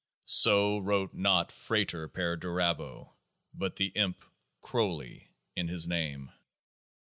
So wrote not FRATER PERDURABO, but the Imp Crowley in his Name.